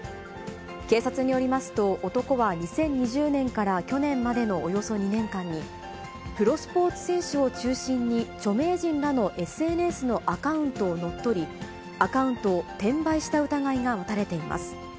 警察によりますと、男は２０２０年から去年までのおよそ２年間に、プロスポーツ選手を中心に、著名人らのＳＮＳのアカウントを乗っ取り、アカウントを転売した疑いが持たれています。